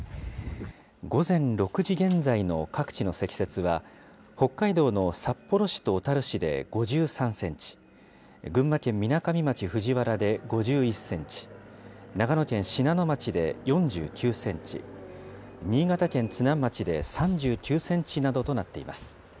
午前６時現在の各地の積雪は、北海道の札幌市と小樽市で５３センチ、群馬県みなかみ町藤原で５１センチ、長野県信濃町で４９センチ、新潟県津南町で３９センチなどとなっています。